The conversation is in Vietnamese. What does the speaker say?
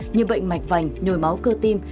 như bệnh mạch vành nhồi máu cơ tim